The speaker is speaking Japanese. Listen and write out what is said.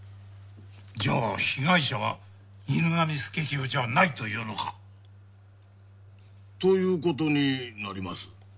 じゃあ被害者は犬神佐清じゃないというのか。ということになります。